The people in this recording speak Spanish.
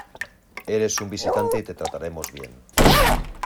Eres un visitante y te trataremos bien.